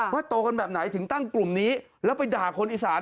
โตกันแบบไหนถึงตั้งกลุ่มนี้แล้วไปด่าคนอีสาน